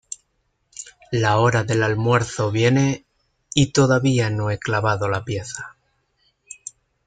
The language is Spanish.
La hora del almuerzo viene y todavía no he clavado la pieza.